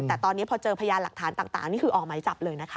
แต่ตอนนี้พอเจอพยานหลักฐานต่างนี่คือออกหมายจับเลยนะคะ